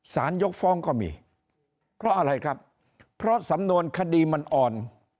ยกฟ้องก็มีเพราะอะไรครับเพราะสำนวนคดีมันอ่อน